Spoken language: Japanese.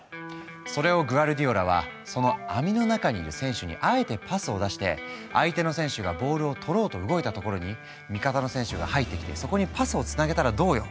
それをグアルディオラはその網の中にいる選手にあえてパスを出して相手の選手がボールを取ろうと動いたところに味方の選手が入ってきてそこにパスをつなげたらどうよ？